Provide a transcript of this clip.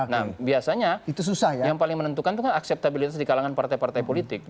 nah biasanya yang paling menentukan itu kan akseptabilitas di kalangan partai partai politik